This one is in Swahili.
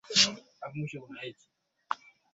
za shughuli za mara kwa mara naleteya taarifa